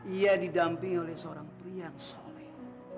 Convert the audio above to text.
ia didampingi oleh seorang pria soleh